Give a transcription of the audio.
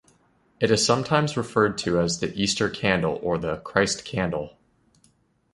It is sometimes referred to as the "Easter candle" or the "Christ candle.